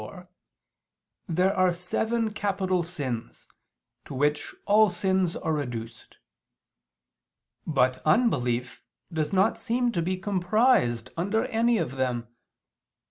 4), there are seven capital sins, to which all sins are reduced. But unbelief does not seem to be comprised under any of them.